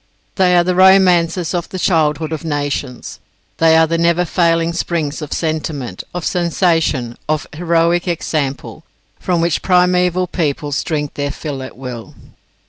They are the romances of the childhood of Nations: they are the never failing springs of sentiment, of sensation, of heroic example, from which primeval peoples drank their fill at will.